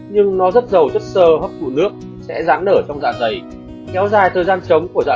nhưng nó rất giàu chất xơ hoặc thụ nước sẽ giãn nở trong dạ dày kéo dài thời gian chống của dạ